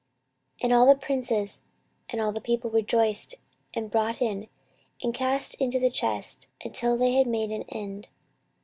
14:024:010 And all the princes and all the people rejoiced, and brought in, and cast into the chest, until they had made an end.